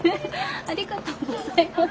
ありがとうございます。